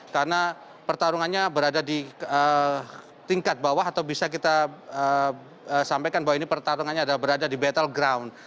karena pertarungannya berada di tingkat bawah atau bisa kita sampaikan bahwa ini pertarungannya berada di battle ground